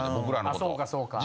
ああそうかそうか。